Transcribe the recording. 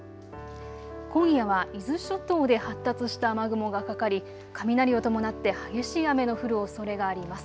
今夜は伊豆諸島で発達した雨雲がかかり雷を伴って激しい雨の降るおそれがあります。